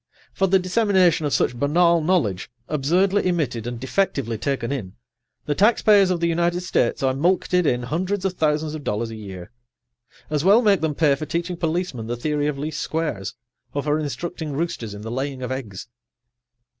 For the dissemination of such banal knowledge, absurdly emitted and defectively taken in, the taxpayers of the United States are mulcted in hundreds of thousands of dollars a year. As well make them pay for teaching policemen the theory of least squares, or for instructing roosters in the laying of eggs.